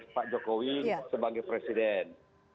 pak jokowi sebagai presiden